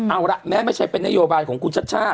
เอาละแม้ไม่ใช่เป็นนโยบายของคุณชัชชาติ